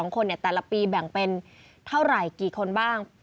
๒คนแต่ละปีแบ่งเป็นเท่าไหร่กี่คนบ้าง